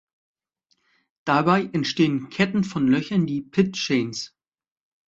Dabei entstehen Ketten von Löchern, die „pit chains“.